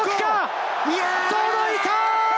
届いた！